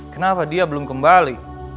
kenapa dia belum kembali